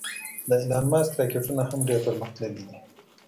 د ایلان ماسک راکټونه هم ډېر پرمختللې دې